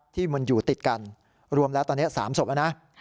ที่มนต์อยู่ติดกันรวมแล้วตอนเนี้ยสามศพแล้วนะค่ะ